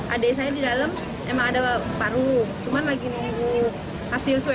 adik saya di dalam memang ada paruh cuma lagi menunggu hasil swab